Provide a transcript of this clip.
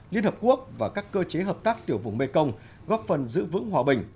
liên hợp quốc và các cơ chế hợp tác tiểu vùng mekong góp phần giữ vững hòa bình